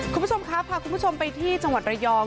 คุณผู้ชมครับพาคุณผู้ชมไปที่จังหวัดระยอง